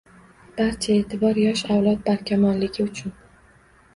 Barcha e’tibor yosh avlod barkamolligi uchun